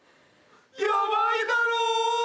ヤバいだろ？